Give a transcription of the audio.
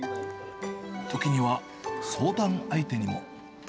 時には、相談相手にも。